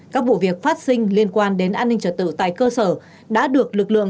các vụ việc phát sinh liên quan đến an ninh trật tự tại cơ sở đã được lực lượng